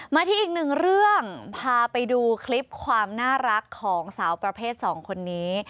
มาที่อีกหนึ่งเรื่องพาไปดูคลิปความน่ารักของสาวประเภทสองคนนี้